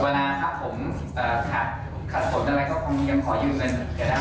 เวลาครับผมขาดผลอะไรก็คงยืนเงิน